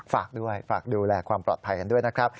ฝากด้วยฝากดูแลความปลอดภัยกันด้วยนะครับ